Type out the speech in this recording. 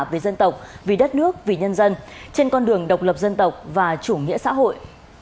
vì dân tộc vì đất nước vì nhân dân trên con đường độc lập dân tộc và chủ nghĩa xã hội